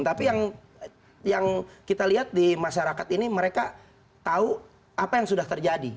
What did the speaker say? tapi yang kita lihat di masyarakat ini mereka tahu apa yang sudah terjadi